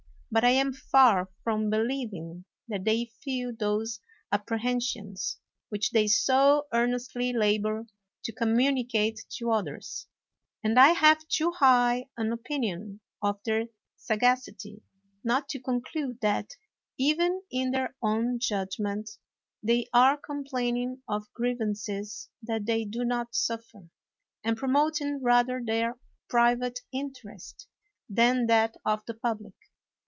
But I am far from believ ing that they feel those apprehensions which they so earnestly labor to communicate to others ; and I have too high an opinion of their sagacity not to conclude that, even in their own judgment, they are complaining of grievances that they do not suffer, and promoting rather their private interest than that of the public.